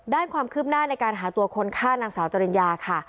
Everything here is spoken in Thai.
ด้านความคืบหน้าในการหาตัวคนฆ่านางสาวจริญญาค่ะ